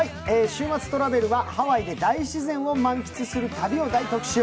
「週末トラベル」はハワイで大自然を満喫する旅を大特集。